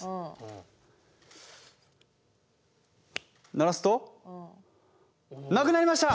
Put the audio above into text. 鳴らすとなくなりました！